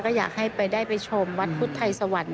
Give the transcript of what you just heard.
ก็อยากให้ไปได้ไปชมวัดพุทธไทยสวรรค์